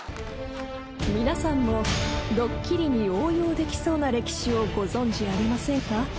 ［皆さんもドッキリに応用できそうな歴史をご存じありませんか？］